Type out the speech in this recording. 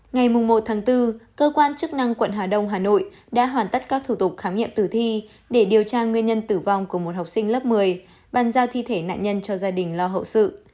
ngày một bốn cơ quan chức năng quận hà đông hà nội đã hoàn tất các thủ tục khám nghiệm tử thi để điều tra nguyên nhân tử vong của một học sinh lớp một mươi bàn giao thi thể nạn nhân cho gia đình lo hậu sự